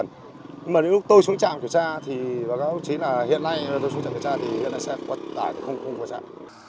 nhưng mà đến lúc tôi xuống chạm kiểm soát thì báo cáo chính là hiện nay tôi xuống chạm kiểm soát thì lấy xe quá tải không quá chạm